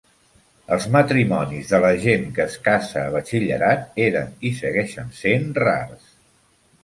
Els matrimonis de la gent que es casa a batxillerat eren i segueixen sent rars.